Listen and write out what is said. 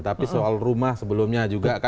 tapi soal rumah sebelumnya juga